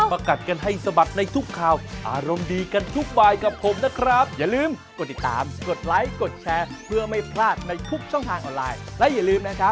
วันนี้ลาไปก่อนแล้ว